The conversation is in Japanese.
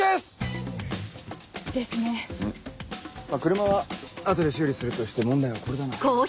車は後で修理するとして問題はこれだな。